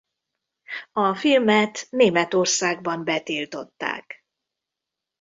A filmet Németországban betiltották.